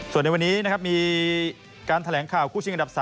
ส่วนในวันนี้นะครับมีการแถลงข่าวคู่ชิงอันดับ๓